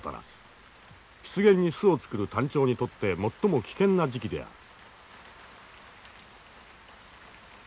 湿原に巣を作るタンチョウにとって最も危険な時期である。